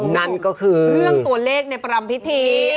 นั่นก็คือเรื่องตัวเลขในประรำพิธี